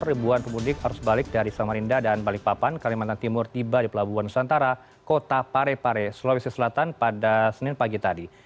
ribuan pemudik harus balik dari samarinda dan balikpapan kalimantan timur tiba di pelabuhan nusantara kota parepare sulawesi selatan pada senin pagi tadi